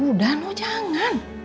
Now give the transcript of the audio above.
udah noh jangan